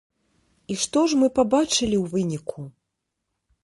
І што ж мы пабачылі ў выніку?